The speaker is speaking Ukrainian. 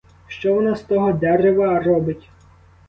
Що вона з того дерева робить?